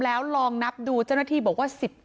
แล้วลองนับดูเจ้าหน้าที่บอกว่า